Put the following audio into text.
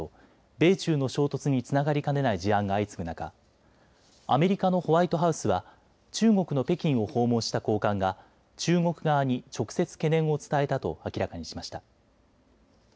米中の衝突につながりかねない事案が相次ぐ中、アメリカのホワイトハウスは中国の北京を訪問した高官が中国側に直接、懸念を伝えたと明らかにしました。